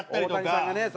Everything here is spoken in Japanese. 大谷さんがね